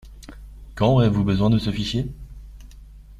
Quand aurez-vous besoin de ce fichier?